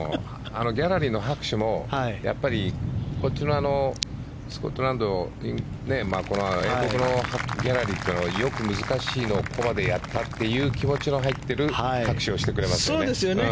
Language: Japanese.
ギャラリーの拍手もこっちのスコットランド英国のギャラリーはよく難しいのをここまでやったという気持ちの入っている拍手をしてくれますよね。